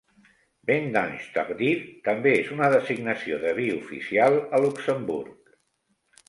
"Vendange tardive" també és una designació de vi oficial a Luxemburg.